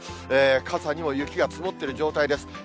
傘にも雪が積もってる状態です。